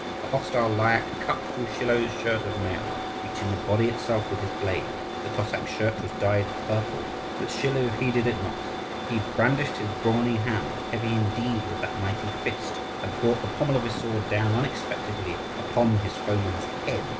The hostile Lyakh cut through Schilo's shirt of mail, reaching the body itself with his blade. The Cossack's shirt was dyed purple: but Schilo heeded it not. He brandished his brawny hand, heavy indeed was that mighty fist, and brought the pommel of his sword down unexpectedly upon his foeman's head.